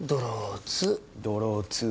ドローツー！